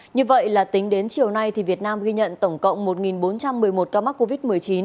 như vậy là tính đến chiều nay việt nam ghi nhận tổng cộng một bốn trăm một mươi một ca mắc covid một mươi chín